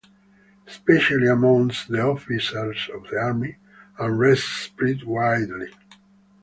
Especially amongst the officers of the army, unrest spread widely.